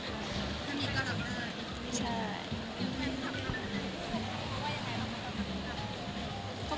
คุณสัมผัสดีครับ